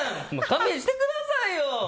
勘弁してくださいよ。